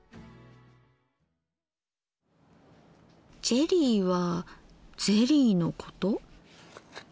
ジェリーはゼリーのこと？